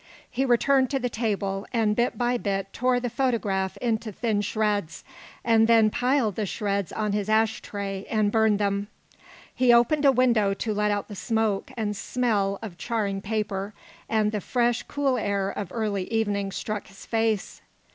He returned to the table, and bit by bit tore the photograph into thin shreds, and then piled the shreds on his ash tray and burned them. He opened a window to let out the smoke and smell of charring paper, and the fresh, cool air of early evening struck his face.